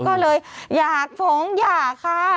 ก็เลยอยากฝงหย่าค่ะ